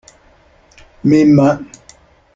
Mes mains.